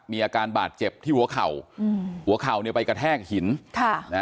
มีอาการบาดเจ็บที่หัวเข่าหัวเข่าเนี่ยไปกระแทกหิน